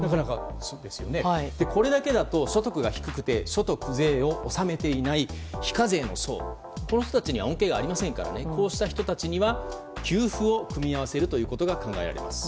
これだけだと所得が低くて所得税を納めていない非課税の層の人たちには恩恵がありませんからこうした人たちには給付を組み合わせることが考えられます。